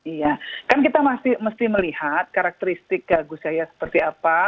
iya kan kita masih melihat karakteristik gus yahya seperti apa